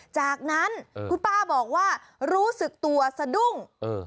จากนั้นคุณป้าบอกว่ารู้สึกตัวสะดุ้ง